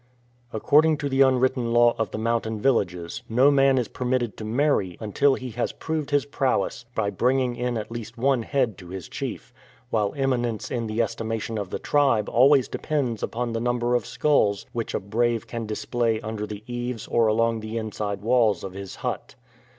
According to the unwritten law of the mountain villages, no man is permitted to marry until he has proved his prowess by bringing at least one head to his chief, while eminence in the estimation of the tribe always depends upon the number of skulls which a brave can dis play under the eaves or along the inside walls of his hut.